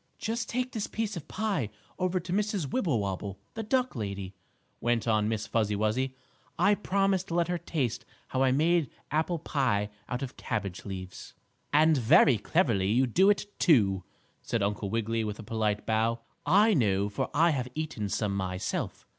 "Just take this piece of pie over to Mrs. Wibblewobble, the duck lady," went on Miss Fuzzy Wuzzy. "I promised to let her taste how I made apple pie out of cabbage leaves." "And very cleverly you do it, too," said Uncle Wiggily, with a polite bow. "I know, for I have eaten some myself.